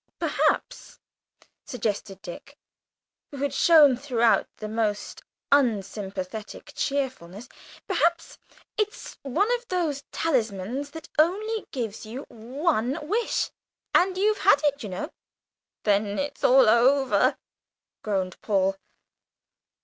"Perhaps," suggested Dick, who had shown throughout the most unsympathetic cheerfulness, "perhaps it's one of those talismans that only give you one wish, and you've had it, you know?" "Then it's all over!" groaned Paul.